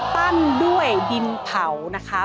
ปั้นด้วยดินเผานะคะ